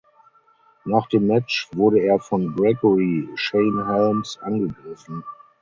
Nach dem Match wurde er von Gregory Shane Helms angegriffen.